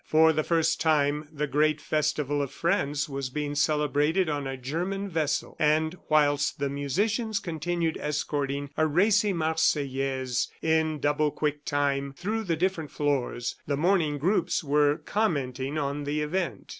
For the first time the great festival of France was being celebrated on a German vessel, and whilst the musicians continued escorting a racy Marseillaise in double quick time through the different floors, the morning groups were commenting on the event.